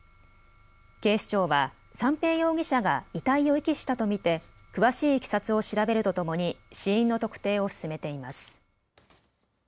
警視庁は三瓶容疑者が遺体を遺棄したと見て詳しいいきさつを調べるとともに死因の特定を進めています。